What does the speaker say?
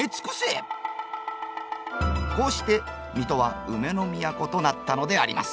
こうして水戸はウメの都となったのであります。